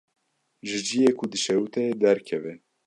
Ji ciyê ku dişewite derkeve.